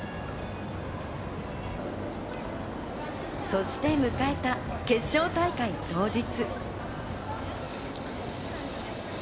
そして迎えた決勝大会当日。